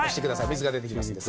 水が出てきますので。